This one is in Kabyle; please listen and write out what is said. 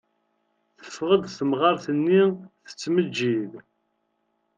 Teffeɣ-d temɣart-nni tettmeǧǧid.